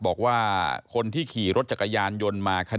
บอกว่าคนที่ขี่รถจักรยานยนต์มา